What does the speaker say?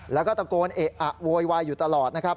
แล้วก็ตะโกนเอะอะโวยวายอยู่ตลอดนะครับ